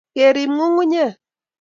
Kerip nyukunyek